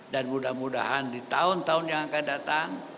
dan mudah mudahan di tahun tahun yang akan datang